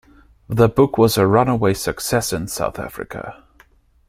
The book was a runaway success in South Africa.